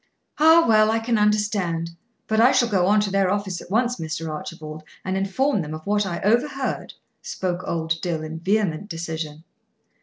"Ah, well, I can understand. But I shall go on to their office at once, Mr. Archibald, and inform them of what I overheard," spoke old Dill, in vehement decision.